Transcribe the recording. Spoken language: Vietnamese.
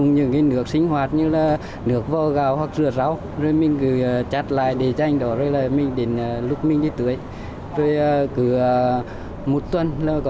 nhưng gia đình anh luôn cảm thấy ấm cúng